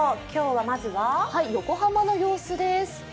今日はまずは横浜の様子です。